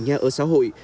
nhà ở xã hội